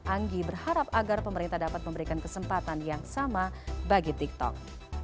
anggi berharap agar pemerintah dapat memberikan kesempatan yang sama bagi tiktok